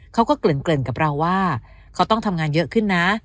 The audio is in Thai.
เขาก็เกล่นเกล่นกับเราว่าเขาต้องทำงานเยอะขึ้นนะ